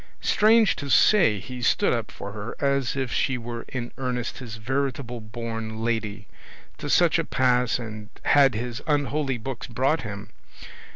Strange to say, he stood up for her as if she were in earnest his veritable born lady; to such a pass had his unholy books brought him.